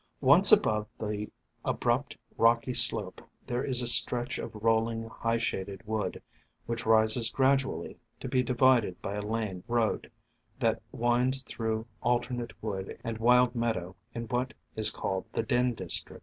Once above the abrupt, rocky slope, there is a stretch of rolling, high shaded wood, which rises gradually, to be divided by a lane road that winds through alternate wood and wild meadow in what is called the Den District.